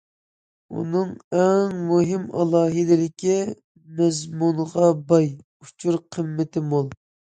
ئۇنىڭ ئەڭ مۇھىم ئالاھىدىلىكى مەزمۇنغا باي، ئۇچۇر قىممىتى مول.